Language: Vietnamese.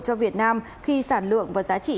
cho việt nam khi sản lượng và giá trị